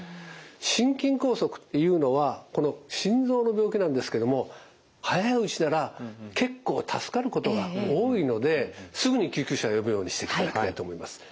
心筋梗塞っていうのは心臓の病気なんですけども早いうちなら結構助かることが多いのですぐに救急車を呼ぶようにしていただきたいと思います。